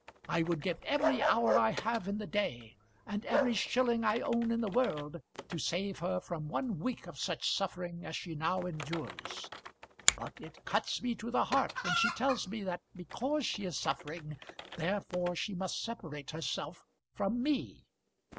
I would give every hour I have in the day, and every shilling I own in the world to save her from one week of such suffering as she now endures; but it cuts me to the heart when she tells me that because she is suffering, therefore she must separate herself from me.